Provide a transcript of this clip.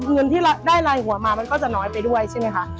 เงินที่ได้ลายหัวมามันก็จะน้อยไปด้วยใช่ไหมคะ